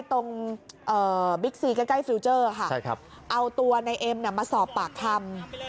บิ๊กซีใกล้ฟิลเจอร์ค่ะเอาตัวในเอ็มมาสอบปากคำ